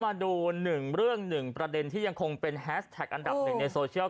มาดู๑เรื่อง๑ประเด็นที่ยังคงเป็นแฮสแท็กอันดับ๑ในโซเชียล